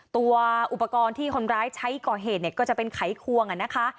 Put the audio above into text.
ตัวอุปกรณ์ที่คนร้ายใช้ก่อเหตุเนี่ยก็จะเป็นไขควงนะคะ